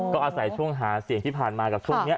ก็อาศัยช่วงหาเสียงที่ผ่านมากับช่วงนี้